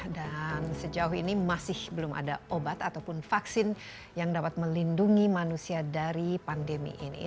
sejauh ini masih belum ada obat ataupun vaksin yang dapat melindungi manusia dari pandemi ini